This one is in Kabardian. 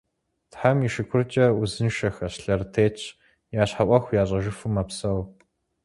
Тхьэм и шыкуркӀэ, узыншэхэщ, лъэрытетщ, я щхьэ Ӏуэху ящӀэжыфу мэпсэу.